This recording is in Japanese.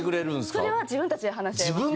それは自分たちで話し合います。